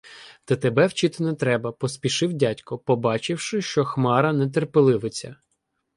Та тебе вчити не треба, — поспішив дядько, побачивши, що Хмара нетерпеливиться.